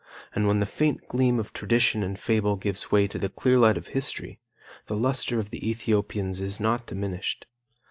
And when the faint gleam of tradition and fable gives way to the clear light of history, the luster of the Ethiopians is not diminished.